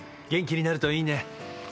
元気になるといいね。